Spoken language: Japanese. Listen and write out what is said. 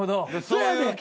そうやねん。